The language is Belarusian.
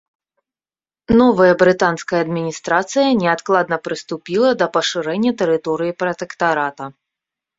Новая брытанская адміністрацыя неадкладна прыступіла да пашырэння тэрыторыі пратэктарата.